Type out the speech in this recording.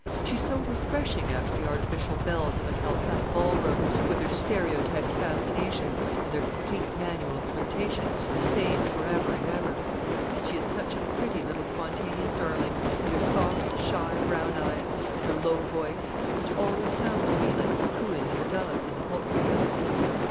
She's so refreshing after the artificial belles of a Calcutta ballroom, with their stereotyped fascinations and their complete manual of flirtation, the same for ever and ever. She is such a pretty little spontaneous darling, with her soft, shy, brown eyes, and her low voice, which always sounds to me like the cooing of the doves in the poultry yard."